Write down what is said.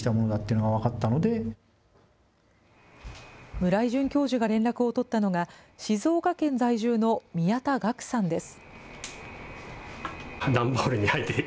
村井准教授が連絡を取ったのが、静岡県在住の宮田岳さんです。